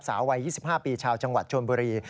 สาววัย๒๕ปีชาวจังหวัดชนบุรี